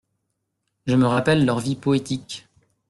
Je me rappelle leurs vies poétiques.